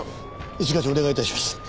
一課長お願い致します。